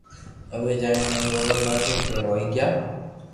اووي جائين رووا لاگيا ڪي ھوئي گيا